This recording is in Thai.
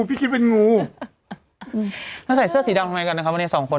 พี่คิดเป็นงูมาใส่เสื้อสีดำทำไมกันเราให้ดายสองคนอ่ะ